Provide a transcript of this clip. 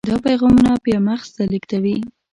دا پیغامونه بیا مغز ته لیږدوي.